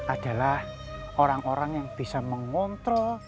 adalah orang orang yang bisa mengontrol